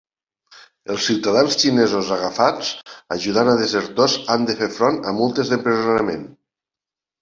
Els ciutadans xinesos agafats ajudant a desertors han de fer front a multes i empresonament.